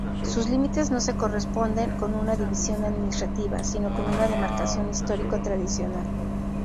Sus límites no se corresponden con una división administrativa, sino con una demarcación histórico-tradicional.